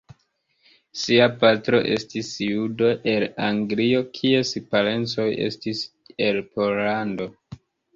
Sia patro estis judo el Anglio kies parencoj estis el Pollando.